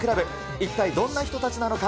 一体どんな人たちなのか。